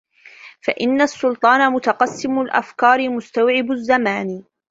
فَإِنَّ السُّلْطَانَ مُتَقَسِّمُ الْأَفْكَارِ مُسْتَوْعِبُ الزَّمَانِ